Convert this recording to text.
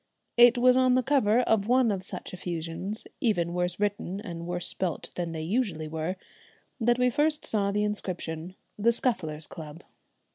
It was on the cover of one of such effusions, even worse written and worse spelt than they usually were, that we first saw the inscription, the "Scufflers' Club."